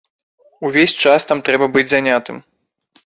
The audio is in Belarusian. Увесь час там трэба быць занятым.